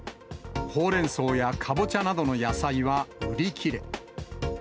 ほうれん草やカボチャなどの野菜は売り切れ。